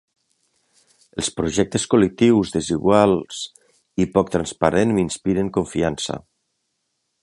Els projectes col·lectius desiguals i poc transparents m'inspiren confiança.